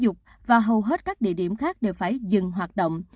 dục và hầu hết các địa điểm khác đều phải dừng hoạt động